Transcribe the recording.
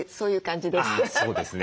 そうですね。